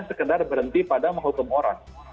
sekedar berhenti pada menghukum orang